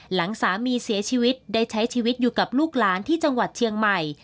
หลังสามีเสียชีวิตได้ใช้ชีวิตอยู่กับลูกหลานที่จังหวัดเชียงใหม่